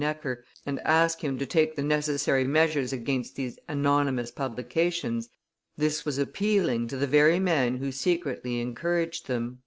Necker, and ask him to take the necessary measures against these anonymous publications this was appealing to the very man who secretly encouraged them..